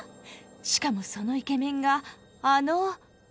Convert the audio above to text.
しかもそのイケメンがあの。